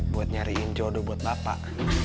buat nyariin jodoh buat bapak